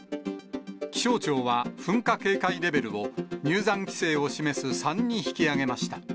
気象庁は、噴火警戒レベルを入山規制を示す３に引き上げました。